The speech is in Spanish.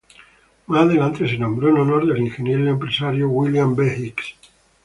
Más adelante se nombró en honor del ingeniero y empresario William B. Hicks.